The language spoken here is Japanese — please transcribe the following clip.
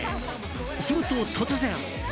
すると、突然。